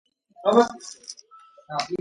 მეზობელმა ახალი ველოსიპედი იყიდა.